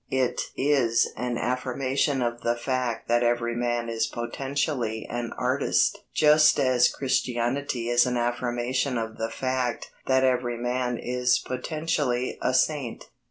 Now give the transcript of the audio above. It is an affirmation of the fact that every man is potentially an artist just as Christianity is an affirmation of the fact that every man is potentially a saint.